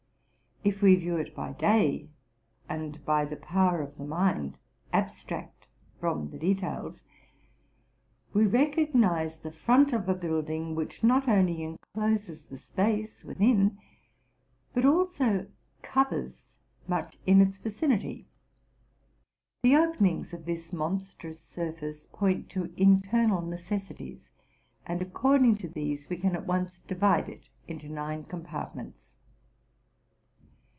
If we view it by day, and by the power of the mind abstract from the details, we recognize the front of a building which not only encloses the space within, but also covers 'much in its vicinity. The openings of this monstrous surface point to internal necessi ties, and according to these we can at once divide it into uine compartments.